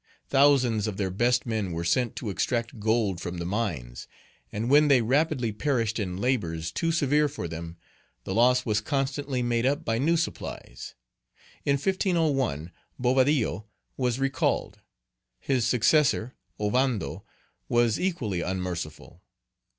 Thousands of their best men were sent to extract gold from the mines, and when they rapidly perished in labors too severe for them, the loss was constantly made up by new supplies. In 1501, Bovadillo was recalled. His successor, Ovando, was equally unmerciful.